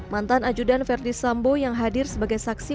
mantan ajudan verdi sambo yang hadir sebagai saksi